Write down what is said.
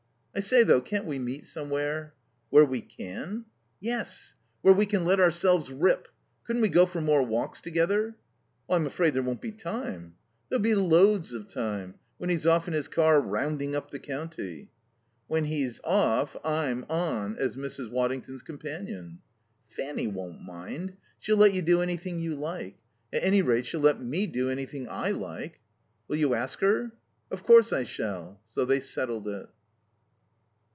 "I say, though, can't we meet somewhere?" "Where we can?" "Yes. Where we can let ourselves rip? Couldn't we go for more walks together?" "I'm afraid there won't be time." "There'll be loads of time. When he's off in his car 'rounding up the county.'" "When he's 'off,' I'm 'on' as Mrs. Waddington's companion." "Fanny won't mind. She'll let you do anything you like. At any rate, she'll let me do anything I like." "Will you ask her?" "Of course I shall." So they settled it.